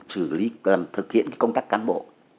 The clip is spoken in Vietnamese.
xử lý thực hiện công tác cán bộ